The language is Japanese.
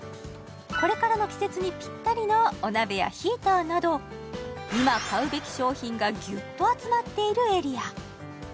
これからの季節にぴったりのお鍋やヒーターなど今買うべき商品がぎゅっと集まっているエリア